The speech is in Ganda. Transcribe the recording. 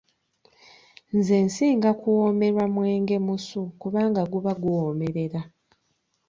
Nze nsinga kuwoomerwa mwenge musu kubanga guba guwoomerera.